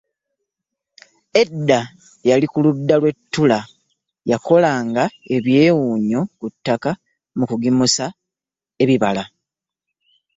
Edda yali ku ludda lw'e Tula, yakolanga ebyewuunyo ku ttaka mu kugimusa ebibala.